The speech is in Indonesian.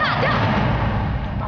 aku bilang dia ada